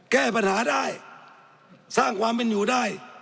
แก้ปัญหาได้สร้างความเป็นอยู่ได้